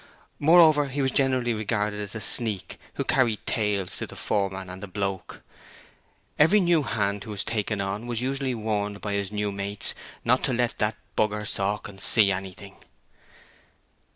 Moreover, he was generally regarded as a sneak who carried tales to the foreman and the 'Bloke'. Every new hand who was taken on was usually warned by his new mates 'not to let the b r Sawkins see anything.'